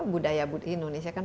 budaya indonesia kan